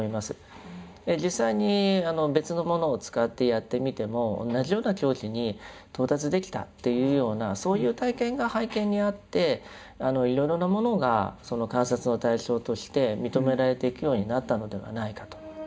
実際に別のものを使ってやってみても同じような境地に到達できたというようなそういう体験が背景にあっていろいろなものがその観察の対象として認められていくようになったのではないかと。